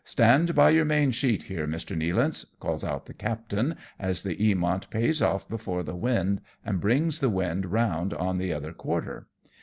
" Stand by your main sheet here, Mr. Nealance," calls out the captain, as the Eamont pays off before the wind, and brings the wind round on the other quarter.